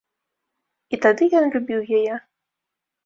І тады ён любіў яе.